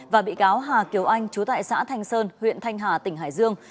và bị cáo hà kiều anh chú tại xã thanh sơn huyện thanh hà tỉnh hải dương